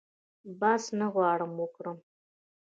بحث نه غواړم وکړم.